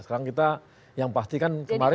sekarang kita yang pastikan kemarin